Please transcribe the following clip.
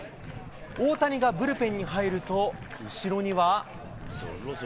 大谷がブルペンに入ると、後ろには。